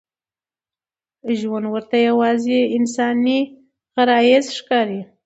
ژوند ورته یوازې انساني غرايز ښکاري.